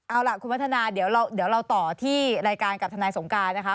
เอาล่ะคุณวัฒนาเดี๋ยวเราต่อที่รายการกับทนายสงการนะคะ